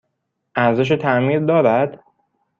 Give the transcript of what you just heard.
ارزش تعمیر دارد؟